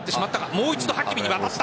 もう一度、ハキミに渡った。